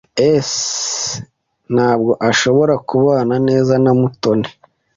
S] Ntabwo nshobora kubana neza na Mutoni